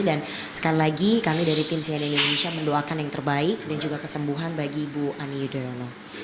dan sekali lagi kami dari tim sinya deni indonesia mendoakan yang terbaik dan juga kesembuhan bagi ibu ani yudhoyono